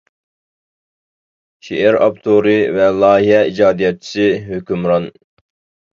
شېئىر ئاپتورى ۋە لايىھە ئىجادىيەتچىسى: ھۆكۈمران.